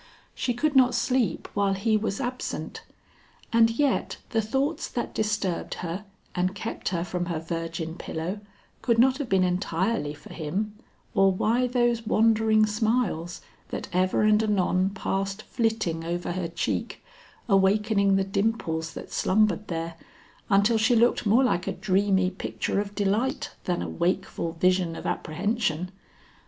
She could not sleep while he was absent; and yet the thoughts that disturbed her and kept her from her virgin pillow could not have been entirely for him, or why those wandering smiles that ever and anon passed flitting over her cheek, awakening the dimples that slumbered there, until she looked more like a dreamy picture of delight than a wakeful vision of apprehension.